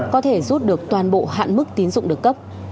có thể rút được toàn bộ hạn mức tín dụng được cấp